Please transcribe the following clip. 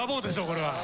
これは。